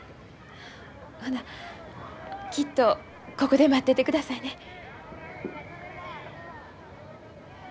ほなきっとここで待っててくださいね。